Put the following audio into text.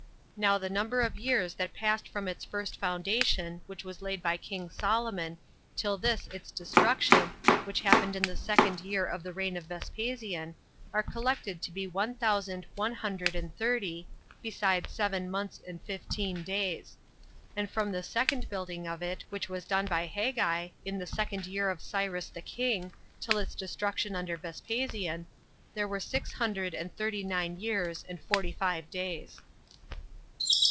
Now the number of years that passed from its first foundation, which was laid by king Solomon, till this its destruction, which happened in the second year of the reign of Vespasian, are collected to be one thousand one hundred and thirty, besides seven months and fifteen days; and from the second building of it, which was done by Haggai, in the second year of Cyrus the king, till its destruction under Vespasian, there were six hundred and thirty nine years and forty five days.